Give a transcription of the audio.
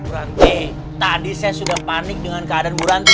buranti tadi saya sudah panik dengan keadaan buranti